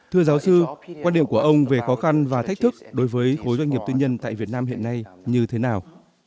thưa giáo sư quan điểm của ông về khó khăn và thách thức đối với khối doanh nghiệp tư nhân tại việt nam hiện nay như thế nào